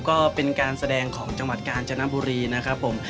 ก็เป็นการแสดงของจังหวัดกาญจนบุรีนะครับผม